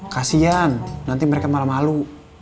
kasian nanti mereka malah malu